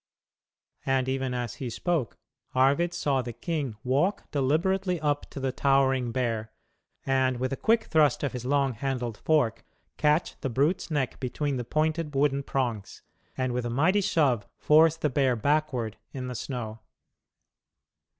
And even as he spoke Arvid saw the king walk deliberately up to the towering bear, and, with a quick thrust of his long handled fork, catch the brute's neck between the pointed wooden prongs, and with a mighty shove force the bear backward in the snow.